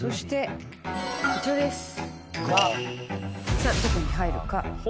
さあどこに入るか？